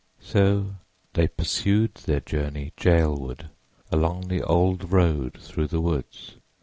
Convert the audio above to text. So they pursued their journey jailward along the old road through the woods.